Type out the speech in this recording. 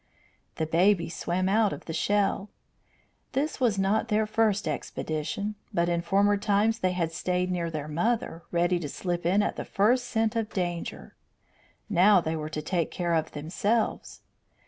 The babies swam out of the shell. This was not their first expedition, but in former times they had stayed near their mother, ready to slip in at the first scent of danger. Now they were to take care of themselves.